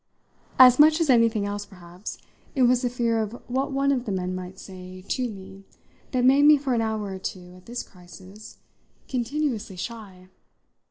As much as anything else, perhaps, it was the fear of what one of the men might say to me that made me for an hour or two, at this crisis, continuously shy.